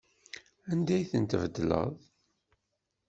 Anda ay ten-tbeddleḍ?